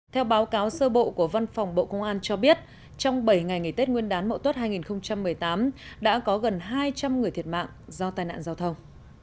theo báo cáo sơ bộ của văn phòng bộ công an cho biết trong bảy ngày nghỉ tết nguyên đán mậu tuất hai nghìn một mươi tám đã có gần hai trăm linh người thiệt mạng do tai nạn giao thông